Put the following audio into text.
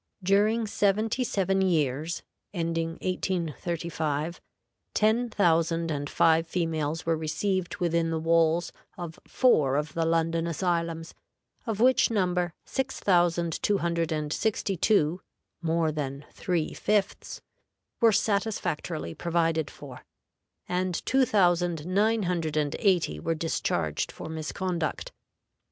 During seventy seven years, ending 1835, ten thousand and five females were received within the walls of four of the London asylums, of which number six thousand two hundred and sixty two (more than three fifths) were satisfactorily provided for, and two thousand nine hundred and eighty were discharged for misconduct.